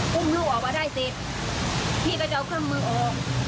พูดมึงออกว่าได้เสร็จพี่ก็จะเอาข้างมือออก